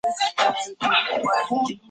古廷区是莱索托南部的一个区。